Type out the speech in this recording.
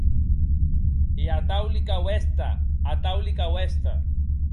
E atau li cau èster, atau li cau èster!